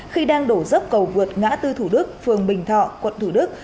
khi đang đổ dốc cầu vượt ngã tư thủ đức phường bình thọ quận thủ đức